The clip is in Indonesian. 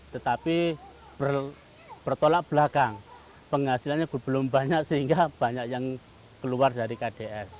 tetapi bertolak belakang penghasilannya belum banyak sehingga banyak yang keluar dari kds